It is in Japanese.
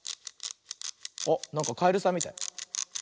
あっなんかカエルさんみたい。